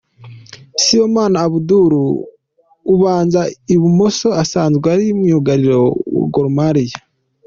Sibomana Abouba ubanza i bumoso asanzwe ari myugariro wa Gor'mariah.